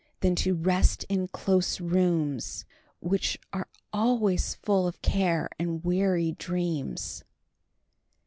—than to rest in close rooms, which are always full of care and weary dreams.